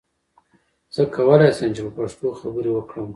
زه کولی سم چې په پښتو خبرې وکړم.